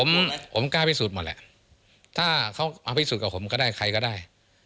ผมผมกล้าพิสูจน์หมดแหละถ้าเขาเอาพิสูจน์กับผมก็ได้ใครก็ได้